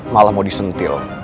malah mau disentil